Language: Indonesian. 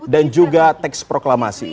dan juga teks proklamasi